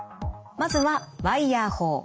まずはワイヤー法。